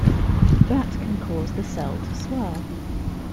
That can cause the cell to swell.